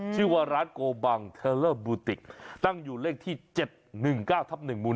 ชื่อว่าร้านโกบังเทอร์เลอร์บูติกตั้งอยู่เลขที่๗๑๙ทับ๑หมู่๑